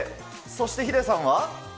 そしてヒデさんは。